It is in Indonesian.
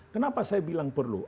kenapa saya bilang perlu